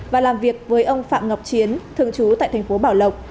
và làm việc với ông phạm ngọc chiến thường trú tại thành phố bảo lộc